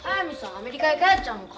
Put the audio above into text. アメリカへ帰っちゃうのか？